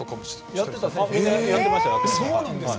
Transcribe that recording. やっていました。